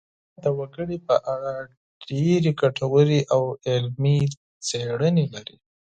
افغانستان د وګړي په اړه ډېرې ګټورې او علمي څېړنې لري.